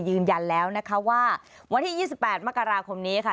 ยืนยันแล้วนะคะว่าวันที่๒๘มกราคมนี้ค่ะ